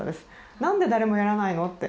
なんで誰もやらないのって。